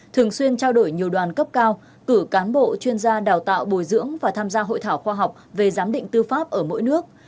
thường xuyên trao đổi nhiều đoàn cấp cao cử cán bộ chuyên gia đào tạo bồi dưỡng và tham gia hội thảo khoa học về giám định tư pháp ở mỗi nước